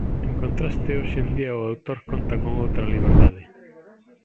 En contraste, hoxe en día o autor conta con outra liberdade.